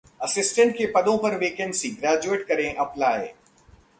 assistant के पदों पर वैकेंसी, ग्रेजुएट करें अप्लाई